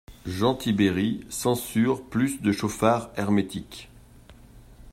Jean Tibéri censure plus de chauffards hermétiques!